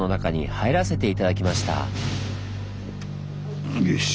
はい。